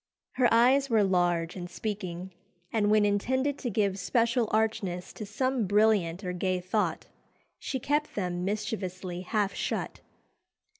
Her eyes were large and speaking, and when intended to give special archness to some brilliant or gay thought, she kept them mischievously half shut.